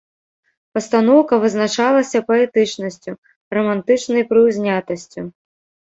Пастаноўка вызначалася паэтычнасцю, рамантычнай прыўзнятасцю.